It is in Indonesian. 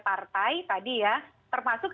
partai tadi ya termasuk